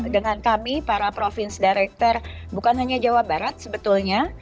dengan kami para province director bukan hanya jawa barat sebetulnya